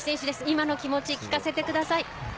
今の気持ち、お聞かせください。